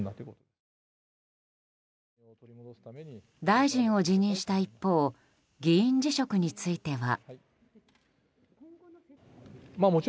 大臣を辞任した一方議員辞職については。